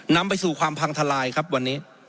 นำไปสู่ความพังทลายครับวันนี้